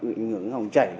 ảnh hưởng đến hồng chảy